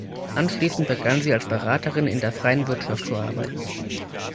Anschließend begann sie als Beraterin in der freien Wirtschaft zu arbeiten.